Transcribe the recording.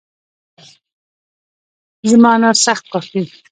زما انار سخت خوښ دي